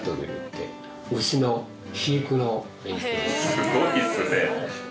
すごいですね。